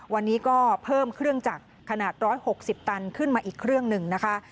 วันนี้ก็เพิ่มเครื่องจักรขนาด๑๖๐ตันขึ้นมาอีกเครื่องหนึ่งนะคะ